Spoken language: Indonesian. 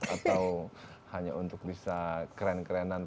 atau hanya untuk bisa keren kerenan